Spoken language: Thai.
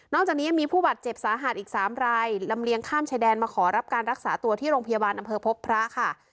จากนี้ยังมีผู้บาดเจ็บสาหัสอีก๓รายลำเลียงข้ามชายแดนมาขอรับการรักษาตัวที่โรงพยาบาลอำเภอพบพระค่ะ